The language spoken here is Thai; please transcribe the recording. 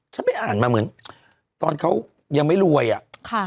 ฉันไปอ่านมาเหมือนตอนเขายังไม่รวยอ่ะค่ะ